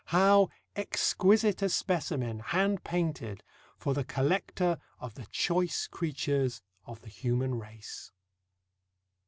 How exquisite a specimen hand painted for the collector of the choice creatures of the human race!